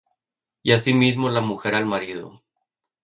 y asimismo la mujer al marido.